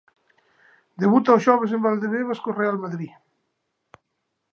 Debuta o xoves en Valdebebas co Real Madrid.